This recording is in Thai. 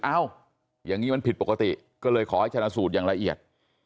อย่างนี้มันผิดปกติก็เลยขอให้ชนะสูตรอย่างละเอียด